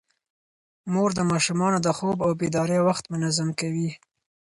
مور د ماشومانو د خوب او بیدارۍ وخت منظم کوي.